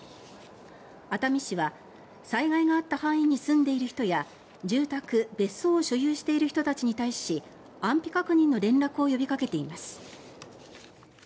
熱海市は、災害があった範囲に住んでいる人や住宅・別荘を所有している人たちに対し安否確認の連絡を呼びかけています。